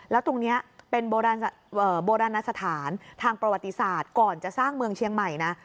แล้วตรงนี้เป็นโบราณสถานทางประวัติศาสตร์ก่อนจะสร้างเมืองเชียงใหม่นะ